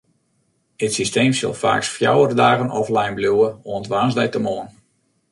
It systeem sil faaks fjouwer dagen offline bliuwe, oant woansdeitemoarn.